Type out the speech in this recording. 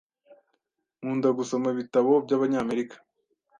Nkunda gusoma ibitabo byabanyamerika.